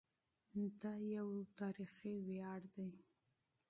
دا یو تاریخي ویاړ دی.